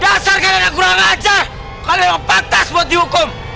dasar karena kurang ajar kalau pantas buat dihukum